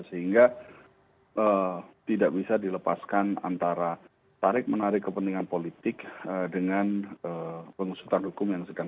sehingga tidak bisa dilepaskan antara tarik menarik kepentingan politik dengan pengusutan hukum yang sedang